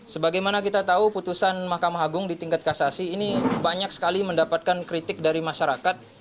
sebagaimana kita tahu putusan mahkamah agung di tingkat kasasi ini banyak sekali mendapatkan kritik dari masyarakat